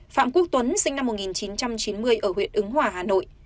phạm quốc tuấn sinh năm một nghìn chín trăm chín mươi ở huyện ứng hòa hà nội